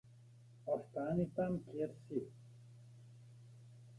Ostani tam, kjer si.